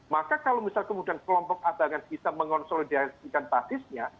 maka kalau misal kemudian kelompok abangan bisa mengonsolidasikan basisnya